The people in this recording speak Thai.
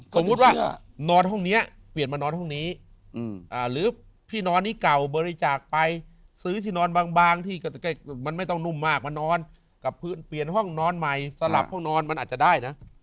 สมมุติว่านอนห้องนี้เปลี่ยนมานอนห้องนี้หรือที่นอนนี้เก่าบริจาคไปซื้อที่นอนบางที่ก็มันไม่ต้องนุ่มมากมานอนกับพื้นเปลี่ยนห้องนอนใหม่สลับห้องนอนมันอาจจะได้นะ